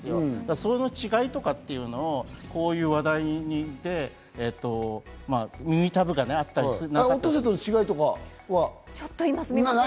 その違いとかというのをこういう話題で、耳たぶがあったりする。